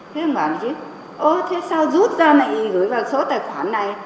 thế ông bảo chứ ơ thế sao rút ra này gửi vào số tài khoản này